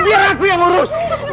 biar aku yang urus